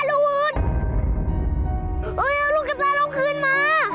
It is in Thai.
พี่ก่อนเรียบความหินคุณแน่ต้อนเลยนะครับ